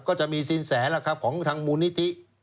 ก็จะมีสินแสล่ะครับของทางมูลนิธิ